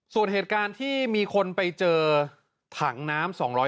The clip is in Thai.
ส่วนเหตุการณ์ที่มีคนไปเจอถังน้ำ๒๐๐